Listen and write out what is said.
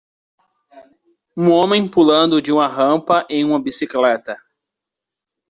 um homem pulando de uma rampa em uma bicicleta